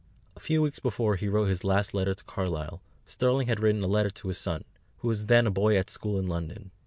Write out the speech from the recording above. A few weeks before he wrote his last letter to Carlyle, Sterling had written a letter to his son, who was then a boy at school in London.